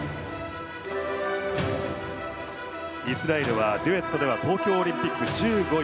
イスラエルはデュエットでは東京オリンピック１５位。